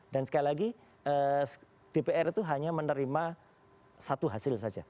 dan sekali lagi dpr itu hanya menerima satu hasil saja